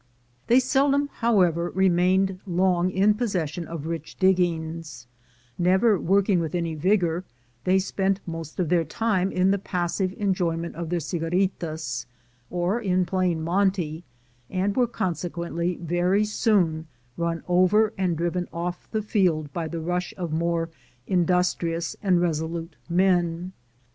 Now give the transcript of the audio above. They seldom, however, remained long in possession of rich diggings; never working with any vigor, they spent most of their time in the passive enjoyment of their cigaritas, or in playing monte, and were conse quently very soon run over and driven off the field by the rush of more industrious and resolute men.